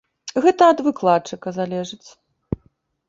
Гэта ад выкладчыка залежыць.